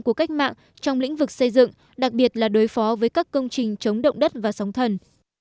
của cách mạng trong lĩnh vực xây dựng đặc biệt là đối phó với các công trình chống động đất và sóng thần